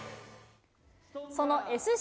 そのＳＣ